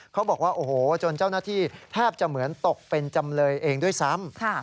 เขาบอกว่าโอ้โหจนเจ้าหน้าที่แทบจะเหมือนตกเป็นจำเลยเองด้วยซ้ำ